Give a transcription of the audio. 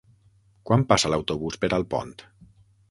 Quan passa l'autobús per Alpont?